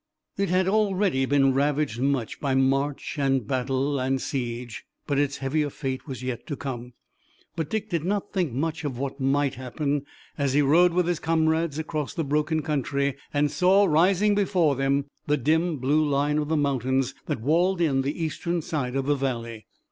It had already been ravaged much by march and battle and siege, but its heavier fate was yet to come. But Dick did not think much of what might happen as he rode with his comrades across the broken country and saw, rising before them, the dim blue line of the mountains that walled in the eastern side of the valley.